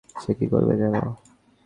সে কী করবে জানো?